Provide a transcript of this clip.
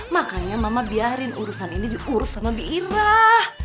makanya mama biarin urusan ini diurus sama bi irah